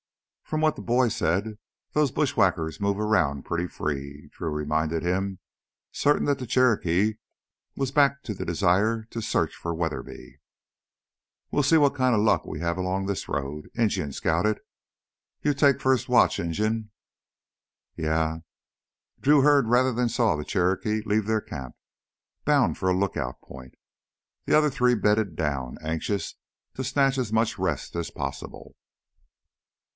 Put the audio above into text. From what that boy said, those bushwhackers move around pretty free," Drew reminded him, certain the Cherokee was back to the desire to search for Weatherby. "We'll see what kind of luck we have along this road, Injun scouted. You take first watch, Injun?" "Yeah." Drew heard rather than saw the Cherokee leave their camp, bound for a lookout point. The other three bedded down, anxious to snatch as much rest as possible.